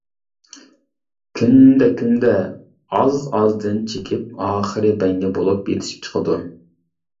كۈندە-كۈندە، ئاز-ئازدىن چېكىپ، ئاخىرى بەڭگە بولۇپ يېتىشىپ چىقىدۇ.